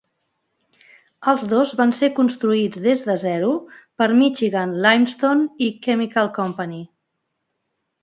Els dos van ser construïts des de zero per Michigan Limestone i Chemical Company.